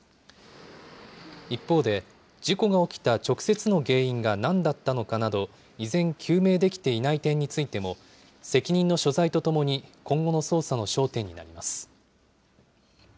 一方で、事故が起きた直接の原因がなんだったのかなど、依然、究明できていない点についても、責任の所在とともに今後の捜査の焦点になります。